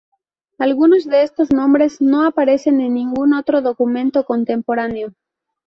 Algunos de esos nombres no aparecen en ningún otro documento contemporáneo.